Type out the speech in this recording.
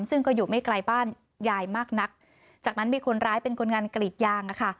ซึ่งก็อยู่ไม่ไกลบ้านยายมากนักจากนั้นมีคนร้ายเป็นคนงานกรีดยางอะค่ะ